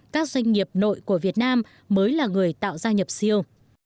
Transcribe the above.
các doanh nghiệp nội của việt nam mới là người tạo gia nhập siêu